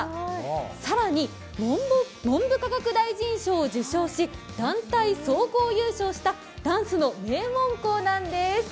更に文部科学大臣賞を受賞し、団体総合優勝したダンスの名門校なんです。